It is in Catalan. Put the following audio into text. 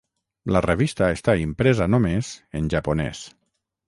La revista està impresa només en japonès.